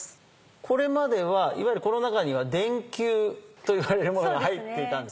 これまではいわゆるこの中には電球といわれるものが入っていたんですよね。